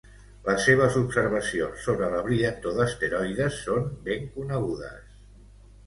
Les seves observacions sobre la brillantor d'asteroides són ben conegudes.